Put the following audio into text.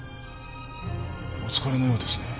お疲れのようですね。